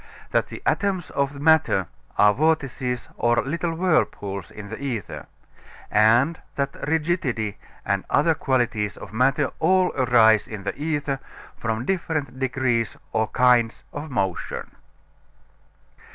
That the atoms of matter are vortices or little whirlpools in the ether; and that rigidity and other qualities of matter all arise in the ether from different degrees or kinds of motion.